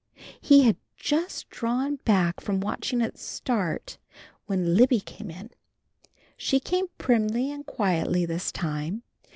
He had just drawn back from watching it start when Libby came in. She came primly and quietly this time.